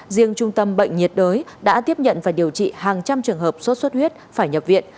riêng trung tâm bệnh nhiệt đới đã tiếp nhận và điều trị hàng trăm trường hợp sốt xuất huyết phải nhập viện